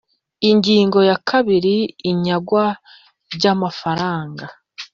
Ingingo ya kabiri Inyagwa ry amafaranga